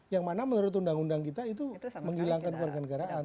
yang mana menurut undang undang kita itu menghilangkan warganegaraan